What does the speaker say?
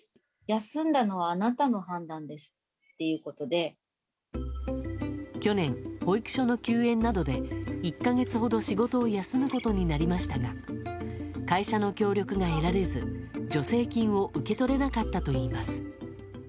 休んだのはあなたの判断ですって去年、保育所の休園などで１か月ほど仕事を休むことになりましたが、会社の協力が得られず、助成金を受け取れなかったといいます。